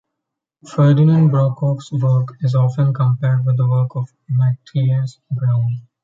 Ferdinand Brokoff's work is often compared with the work of Matthias Braun.